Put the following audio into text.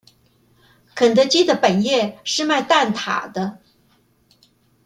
肯德基的本業是賣蛋塔的